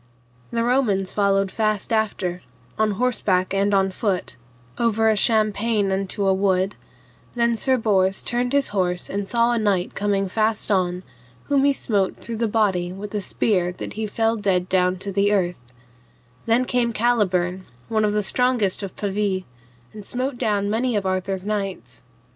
The Romans followed fast after, on horseback and on foot, over a champaign unto a wood; then Sir Bors turned his horse and saw a knight come fast on, whom he smote through the body with a spear that he fell dead down to the earth; then came Caliburn one of the strongest of Pavie, and smote down many of Arthur's knights.